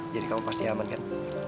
jadi kamu pasti aman kan